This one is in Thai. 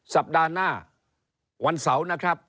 สัปดาห์หน้าวันเสาร์นะครับ